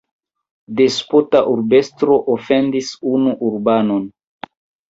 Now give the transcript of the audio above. Despota urbestro ofendis unu urbanon.